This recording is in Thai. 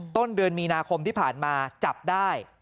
ต้นเดือนมีนาคมที่ผ่านมาจับได้